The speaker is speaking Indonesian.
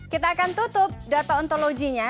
kita akan tutup data ontologinya